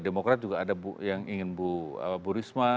demokrat juga ada yang ingin bu risma